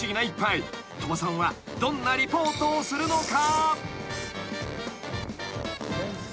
［鳥羽さんはどんなリポートをするのか？］